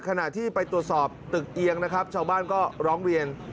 ขณะที่ไปตรวจสอบตึกเอียงนะครับชาวบ้านก็ร้องเรียน